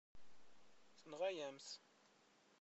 Tenɣa-yam-t.